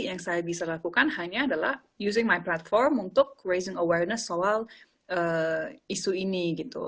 yang saya bisa lakukan hanya adalah using my platform untuk creation awareness soal isu ini gitu